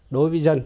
đối với dân